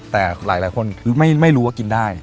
แต่หลายคนคือไม่รู้ว่ากินได้